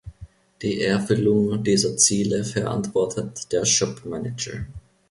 Die Erfüllung dieser Ziele verantwortet der Shop Manager.